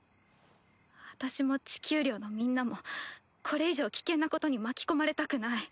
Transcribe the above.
私も地球寮のみんなもこれ以上危険なことに巻き込まれたくない。